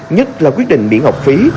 nhất là quyết định miễn học phí